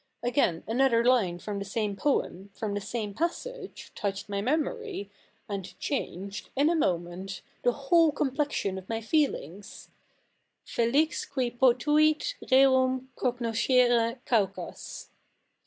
Again, another line from the same poem, from the same passage, touched my memory, and changed, in a moment, the whole complexion of my feelings — Felix (jui poluit rerum cognoscere causas.